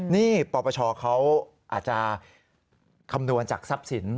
นี่ปปชเขาอาจจะคำนวณจากทรัพย์สิน